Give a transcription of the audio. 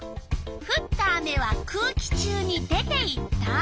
「ふった雨は空気中に出ていった」。